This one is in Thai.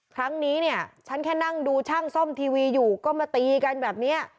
ครั้งนี้เนี่ยฉันแค่นั่งดูช่างซ่อมทีวีอยู่ก็มาตีกันแบบนี้